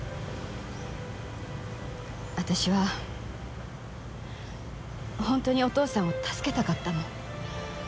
私は本当にお父さんを助けたかったの。